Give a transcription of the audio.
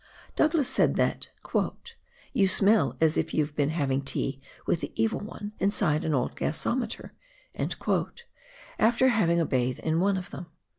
Douglas said that " you smell as if you've been having tea with the Evil One inside an old gasometer," after having a bathe in one of them.